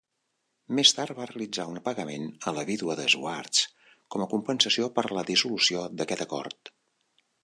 Més tard va realitzar un pagament a la vídua de Schwartz com a compensació per la dissolució d'aquest acord.